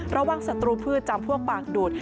ระวังศนุพืชจำพวกปากดูด